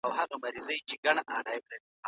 چي ډېوې یې بلولې نن له ملکه تښتېدلی